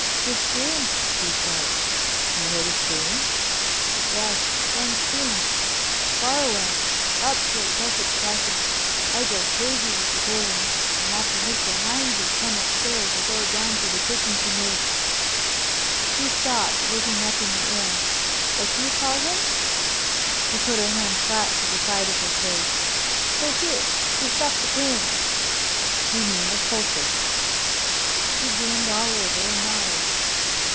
"The scream," she said. "You heard a scream?" "Yes—one scream—far away, up toward Cresset's Crossing. I go crazy with the pain and after Mr. Hines is come upstairs I go down to the kitchen to make——" she stopped, looking up in the air—"what you call him?"—she put her hand flat on the side of her face—"for here, to stop the pain." "Do you mean a poultice?" She grinned all over and nodded.